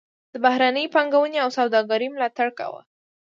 د بهرنۍ پانګونې او سوداګرۍ ملاتړ کاوه.